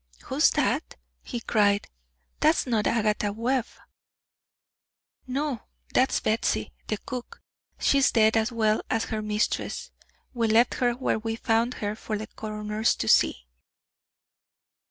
"Who's that?" he cried. "That's not Agatha Webb." "No, that's Batsy, the cook. She's dead as well as her mistress. We left her where we found her for the coroner to see."